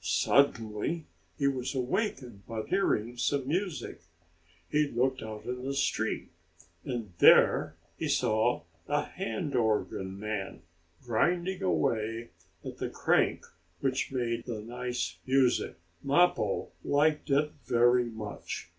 Suddenly he was awakened by hearing some music. He looked out in the street, and there he saw a hand organ man grinding away at the crank which made the nice music. Mappo liked it very much.